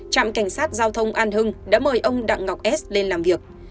trạm cảnh sát giao thông an hưng đã mời ông đặng ngọc s lên làm việc